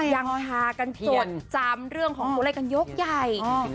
ยังทากันจดจำเรื่องของบริการยกใหญ่